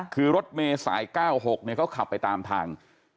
คือรถเมษาย๙๖เนี่ยเขาขับไปตามทาง